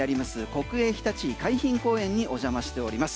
国営ひたち海浜公園にお邪魔しております。